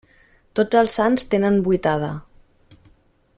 Tots els sants tenen vuitada.